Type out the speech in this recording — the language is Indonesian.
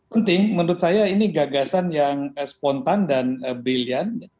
penting menurut saya ini gagasan yang spontan dan brilliant